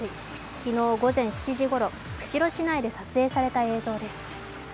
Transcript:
昨日午前７時ごろ、釧路市内で撮影された映像です。